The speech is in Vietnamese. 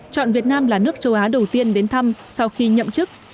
chọn việt nam là nước châu á đầu tiên đến thăm sau khi nhậm chức